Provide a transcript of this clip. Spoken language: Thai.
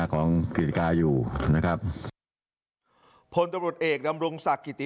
ของอันนี้